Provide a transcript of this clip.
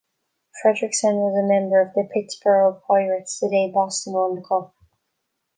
Fredrickson was a member of the Pittsburgh Pirates the day Boston won the Cup.